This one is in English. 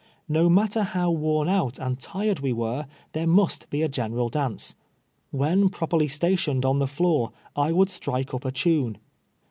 Ko matter how worn out and tired we were, there must be a general dauce. When properly stationed on the floor, I would strike up a tune.